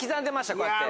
こうやって。